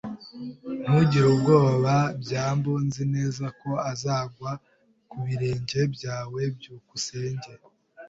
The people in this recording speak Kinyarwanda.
[S] Ntugire ubwoba. byambo. Nzi neza ko uzagwa ku birenge byawe. byukusenge